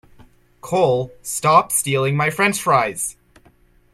Cole, stop stealing my french fries!